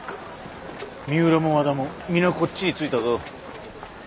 三浦も和田も皆こっちについたぞ。